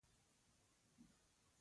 د مور او پلار فرمانبردار و.